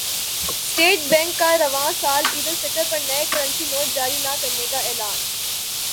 state bank کا رواں سال عیدالفطر پر نئے کرنسی نوٹ جاری نہ کرنے کا اعلان